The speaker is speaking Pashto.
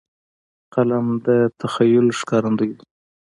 قلم د تخیل ښکارندوی دی